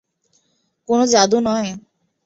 কোন জাদু নয়।